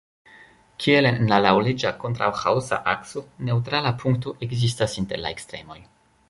Kiel en la laŭleĝa-kontraŭ-ĥaosa akso, neŭtrala punkto ekzistas inter la ekstremoj.